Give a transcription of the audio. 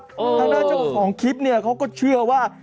ทางด้านเจ้าของคลิปเนี่ยเขาก็เชื่อว่า